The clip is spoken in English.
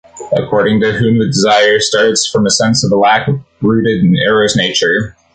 According to whom the desire starts from a sense of lack rooted in Eros nature.